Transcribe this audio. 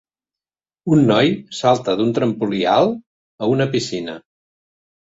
Un noi salta d'un trampolí alt a una piscina.